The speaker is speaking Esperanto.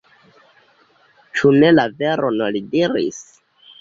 Ĉu ne la veron li diris?